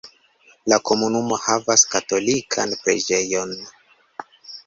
La komunumo havas katolikan preĝejon.